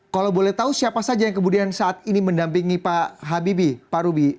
kalau boleh tahu siapa saja yang kemudian saat ini mendampingi pak habibie pak rubi